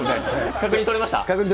確認取れました。